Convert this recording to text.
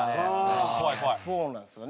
そうなんですよね。